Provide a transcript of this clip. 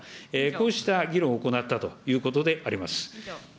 こうした議論を行ったということであります。